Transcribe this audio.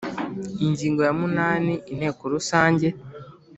Ingingo ya munani Inteko Rusange